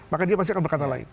maka dia pasti akan berkata lain